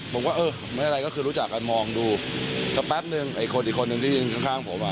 ผมก็เออไม่อะไรก็คือรู้จักกันมองดูสักแป๊บนึงไอ้คนอีกคนนึงที่ยืนข้างข้างผมอ่ะ